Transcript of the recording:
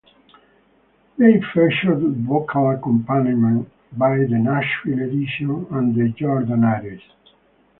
They featured vocal accompaniment by The Nashville Edition and The Jordanaires.